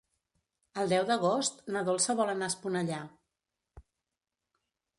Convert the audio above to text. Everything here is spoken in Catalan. El deu d'agost na Dolça vol anar a Esponellà.